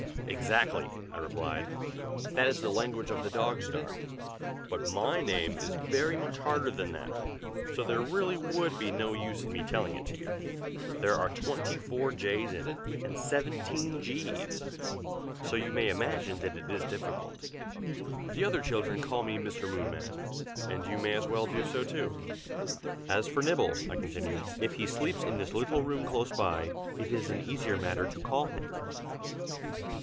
"Exactly!" I replied. "That is the language of the dog star. But my name is very much harder than that, so there really would be no use in my telling it to you. There are twenty four j's in it, and seventeen g's, so you may imagine that it is difficult. The other children call me Mr. Moonman, and you may as well do so too. As for Nibble," I continued, "if he sleeps in this little room close by, it is an easy matter to call him.